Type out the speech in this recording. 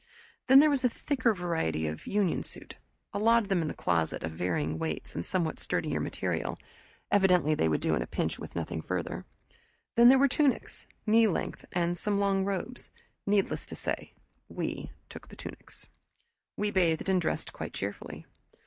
Then there was a thicker variety of union suit, a lot of them in the closet, of varying weights and somewhat sturdier material evidently they would do at a pinch with nothing further. Then there were tunics, knee length, and some long robes. Needless to say, we took tunics. We bathed and dressed quite cheerfully.